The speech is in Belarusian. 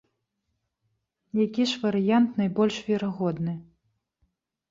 Які ж варыянт найбольш верагодны?